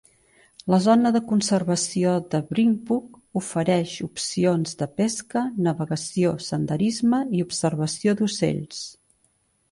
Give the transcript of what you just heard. La Zona de Conservació de Binbrook ofereix opcions de pesca, navegació, senderisme i observació d'ocells.